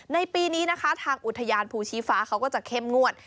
ในปีนี้นะคะทางอุทยานภูชีฟ้าเขาก็จะเข้มงวด